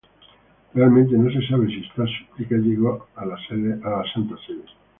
Realmente, no se sabe si esta Súplica llegó a la Santa Sede.